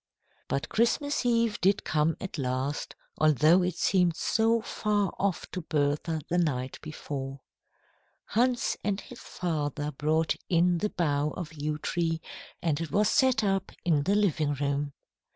But Christmas Eve did come at last, although it seemed so far off to Bertha the night before. Hans and his father brought in the bough of a yew tree, and it was set up in the living room.